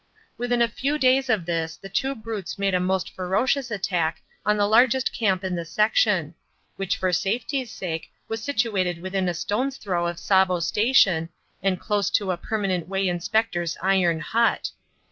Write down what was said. Within a few days of this the two brutes made a most ferocious attack on the largest camp in the section, which for safety's sake was situated within a stone's throw of Tsavo Station and close to a Permanent Way Inspector's iron hut.